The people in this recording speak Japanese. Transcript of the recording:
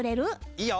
いいよ。